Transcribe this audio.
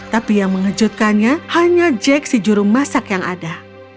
tapi yang mengejutkannya hanya jack si juru masak yang ada